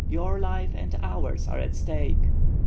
Your life and ours are at stake."